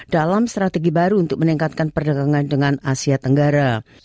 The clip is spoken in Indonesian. dalam strategi baru untuk meningkatkan perdagangan dengan asia tenggara